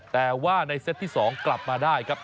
แต่ว่าในเซตที่๒กลับมาได้ครับ